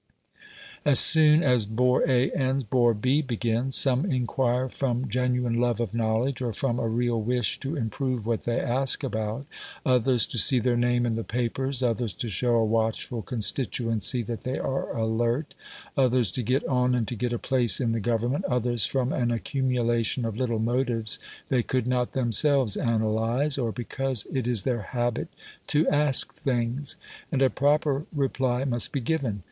As soon as bore A ends, bore B begins. Some inquire from genuine love of knowledge, or from a real wish to improve what they ask about; others to see their name in the papers; others to show a watchful constituency that they are alert; others to get on and to get a place in the Government; others from an accumulation of little motives they could not themselves analyse, or because it is their habit to ask things. And a proper reply must be given.